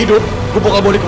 bilang apa pellet bersedek